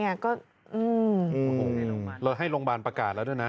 โอ้โหเราให้โรงพยาบาลประกาศแล้วด้วยนะ